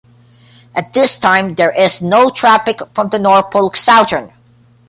At this time there is no traffic from the Norfolk Southern.